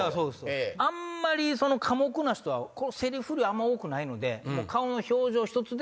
あんまり寡黙な人はセリフ量あんま多くないので。